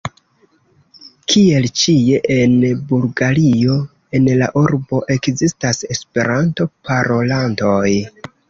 Kiel ĉie en Bulgario en la urbo ekzistas Esperanto-parolantoj.